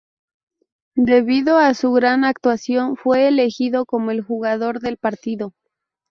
Debido a su gran actuación, fue elegido como el jugador del partido.